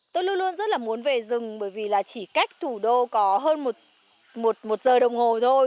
tôi luôn luôn rất là muốn về rừng bởi vì là chỉ cách thủ đô có hơn một giờ đồng hồ thôi